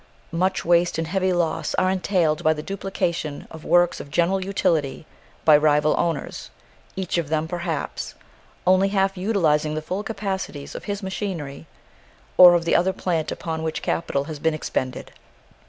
Much waste and heavy loss are entailed by the duplication of works of general utility by rival owners, each of them, perhaps, only half utilising the full capacities of his machinery or of the other plant upon which capital has been expended.